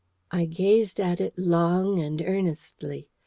I gazed at it long and earnestly.